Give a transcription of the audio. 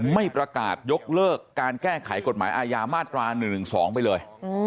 ไม่ประกาศยกเลิกการแก้ไขกฎหมายอาญามาตรา๑๑๒ไปเลย